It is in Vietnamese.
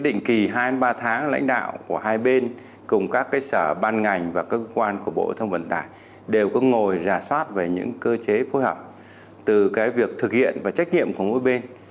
định kỳ hai ba tháng lãnh đạo của hai bên cùng các sở ban ngành và cơ quan của bộ thông vận tải đều có ngồi rà soát về những cơ chế phối hợp từ việc thực hiện và trách nhiệm của mỗi bên